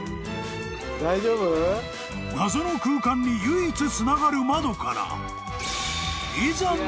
［謎の空間に唯一つながる窓から］